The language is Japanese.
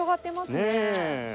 ねえ。